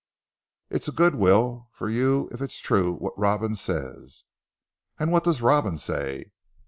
It's a good will for you if it's true what Robin says." "And what does Robin say?"